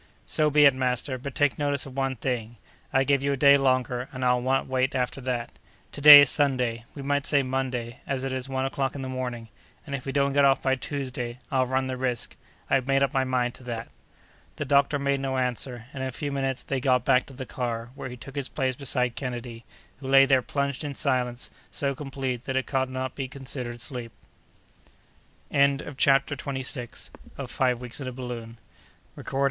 "So be it, master; but take notice of one thing: I give you a day longer, and I'll not wait after that. To day is Sunday; we might say Monday, as it is one o'clock in the morning, and if we don't get off by Tuesday, I'll run the risk. I've made up my mind to that!" The doctor made no answer, and in a few minutes they got back to the car, where he took his place beside Kennedy, who lay there plunged in silence so complete that it could not be considered sleep. CHAPTER TWENTY SEVENTH. Terrific Heat.—Hallucinations.